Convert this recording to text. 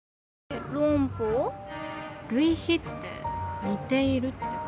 類比って似ているって事？